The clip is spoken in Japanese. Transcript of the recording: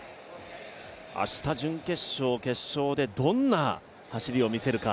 明日、準決勝、決勝でどんな走りを見せるか。